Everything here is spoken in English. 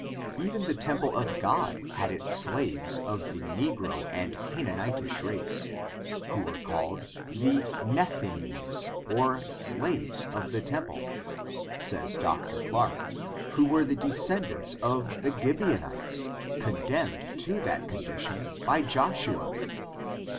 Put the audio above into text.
Even the temple of God had its slaves of the negro and Canaanitish race, who were called the Nethin ims or slaves of the temple, says Dr. Clarke, who were the descendants of the CHbeoniteSj condemned to that condition by Joshua.